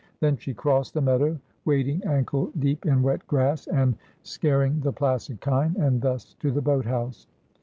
Then she crossed the meadow, wading ankle deep in wet grass, and scar ing the placid kine, and thus to the boat house.